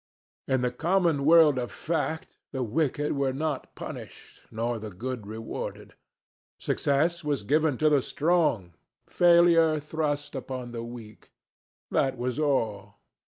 In the common world of fact the wicked were not punished, nor the good rewarded. Success was given to the strong, failure thrust upon the weak. That was all.